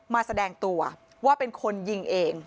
แสดงตัวว่าเป็นคนยิงเอง